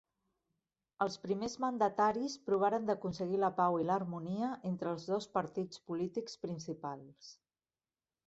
Els primers mandataris provaren d'aconseguir la pau i l'harmonia entre els dos partits polítics principals.